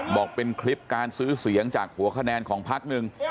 บอกเป็นคลิปการซื้อเสียงจากหัวคะแนนของพักหนึ่ง